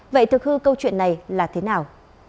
vậy thực hư câu chuyện này là thế nào